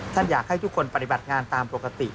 อยากให้ทุกคนปฏิบัติงานตามปกติ